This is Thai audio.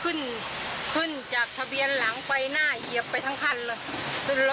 ขึ้นขึ้นจากทะเบียนหลังไปหน้าเหยียบไปทั้งคันเลยขึ้นรถ